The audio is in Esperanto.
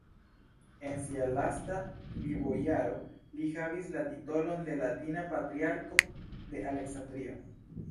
En sia lasta vivojaro li havis la titolon de "Latina Patriarko de Aleksandrio".